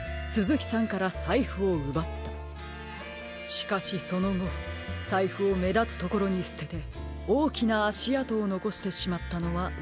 しかしそのごさいふをめだつところにすてておおきなあしあとをのこしてしまったのはうかつでしたね。